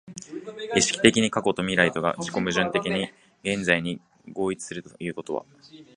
意識的に過去と未来とが自己矛盾的に現在に合一するということは、